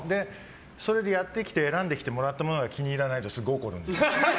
それでやってきて選んできたものが気に入らないとすごい怒るんです。